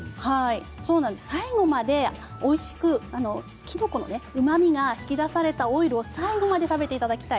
最後までおいしくきのこのうまみが出されたオイルを最後まで食べていただきたい。